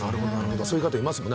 そういう方いますもんね